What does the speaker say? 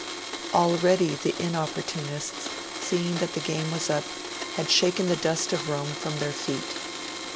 Already the Inopportunists, seeing that the game was up, had shaken the dust of Rome from their feet.